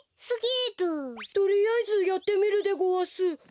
とりあえずやってみるでごわす。